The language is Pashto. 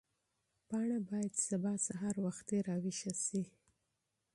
پاڼه باید سبا سهار وختي راویښه شي.